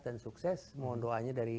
dan sukses mohon doanya dari